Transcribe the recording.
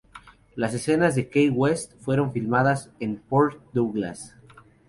Las escenas de Key West, fueron filmadas en Port Douglas.